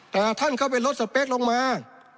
แต่ท่านเข้าไปลดสเปคลงมา